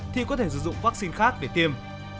thì có thể sử dụng vaccine khác để tiêm